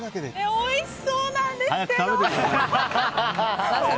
おいしそうなんですけど。